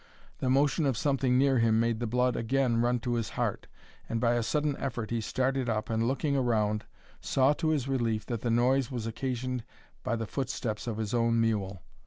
The motion of something near him made the blood again run to his heart, and by a sudden effort he started up, and, looking around, saw to his relief that the noise was occasioned by the footsteps of his own mule.